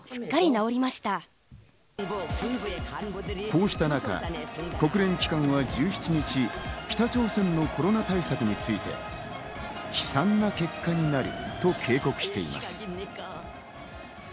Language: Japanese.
こうした中、国連機関は１７日、北朝鮮のコロナ対策について悲惨な結果になると警告しています。